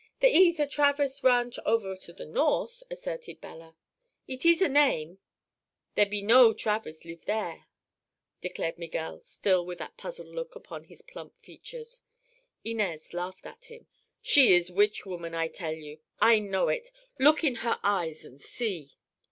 "There ees a Travers Ranch over at the north," asserted Bella. "Eet ees a name; there be no Travers live there," declared Miguel, still with that puzzled look upon his plump features. Inez laughed at him. "She is witch woman, I tell you. I know it! Look in her eyes, an' see."